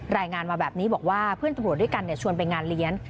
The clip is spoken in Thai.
รายงานมาแบบนี้บอกว่าเพื่อนตำรวจด้วยกันชวนไปงานเลี้ยง